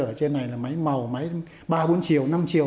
ở trên này là máy màu máy ba bốn chiều năm chiều